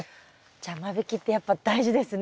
じゃあ間引きってやっぱ大事ですね。